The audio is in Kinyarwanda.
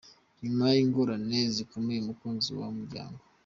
Nyuma y’ingorane zikomeye umukunzi wa umuryango.